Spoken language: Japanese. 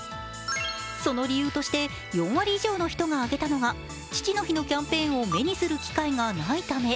その理由として、４割以上の人が挙げたのは父の日のキャンペーンを目にする機会がないため。